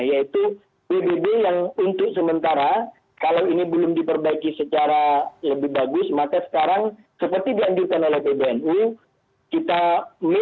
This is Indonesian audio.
yaitu pbb yang untuk sementara kalau ini belum diperbaiki secara lebih bagus maka sekarang seperti dianggurkan oleh pbnu kita minta kita tetap melalui